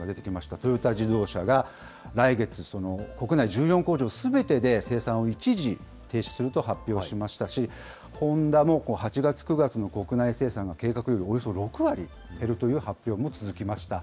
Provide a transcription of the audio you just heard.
トヨタ自動車が来月、国内１４工場すべてで生産を一時停止すると発表しましたし、ホンダも８月、９月の国内生産が計画よりおよそ６割減るという発表も続きました。